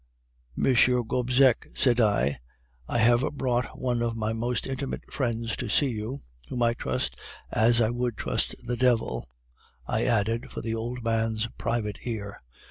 "'M. Gobseck,' said I, 'I have brought one of my most intimate friends to see you (whom I trust as I would trust the Devil,' I added for the old man's private ear).